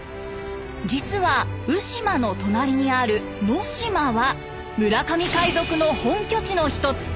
実は鵜島の隣にある能島は村上海賊の本拠地の一つ。